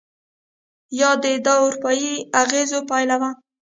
یا دا د اروپایي اغېزو پایله وه؟